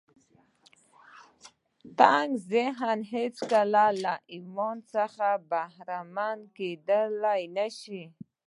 تنګ ذهن هېڅکله له ایمان څخه برخمن کېدای نه شي